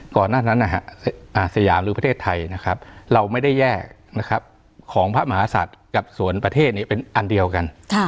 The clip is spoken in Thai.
ก่อนหน้านั้นสยามหรือประเทศไทยนะครับเราไม่ได้แยกของพระมหาศัตริย์กับส่วนประเทศเป็นอันเดียวกัน